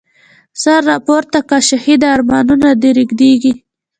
سر را پورته که شهیده، ارمانونه د رږیږی